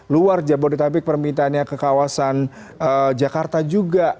luar jabodetabek permintaannya ke kawasan jakarta juga